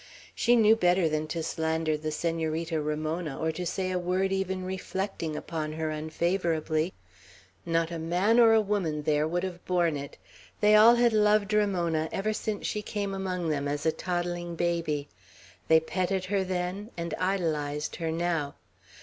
She knew better than to slander the Senorita Ramona, or to say a word even reflecting upon her unfavorably. Not a man or a woman there would have borne it. They all had loved Ramona ever since she came among them as a toddling baby. They petted her then, and idolized her now.